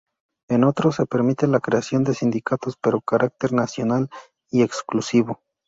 En otros, se permite la creación de sindicatos, pero con carácter nacional y exclusivo.